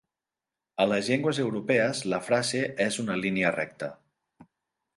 A les llengües europees la frase és una línia recta.